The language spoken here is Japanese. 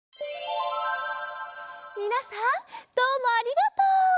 みなさんどうもありがとう。